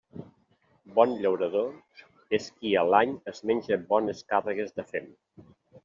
Bon llaurador és qui a l'any es menja bones càrregues de fem.